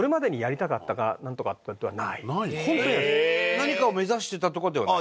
何かを目指してたとかではない？